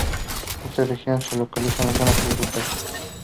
Esta región se localiza en la zona sur del país.